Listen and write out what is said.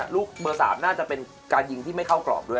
ลูกเบอร์๓น่าจะเป็นการยิงที่ไม่เข้ากรอบด้วย